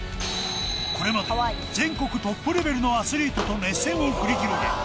これまで全国トップレベルのアスリートと熱戦を繰り広げ